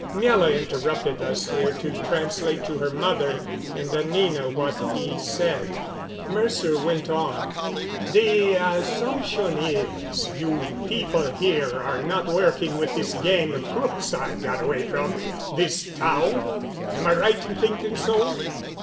Miela interrupted us here to translate to her mother and Anina what he said. Mercer went on: "The assumption is, you people here are not working with this gang of crooks I got away from this Tao? Am I right in thinking so?"